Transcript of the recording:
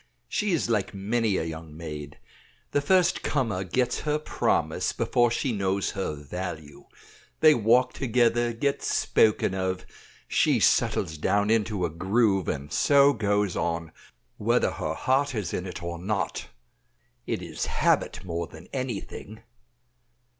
She is like many a young maid. The first comer gets her promise before she knows her value. They walk together, get spoken of; she settles down into a groove, and so goes on, whether her heart is in it or not; it is habit more than anything."